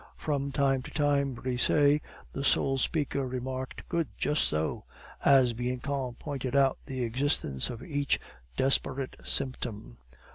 From time to time Brisset, the sole speaker, remarked, "Good! just so!" as Bianchon pointed out the existence of each desperate symptom.